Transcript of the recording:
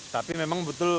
tapi memang betul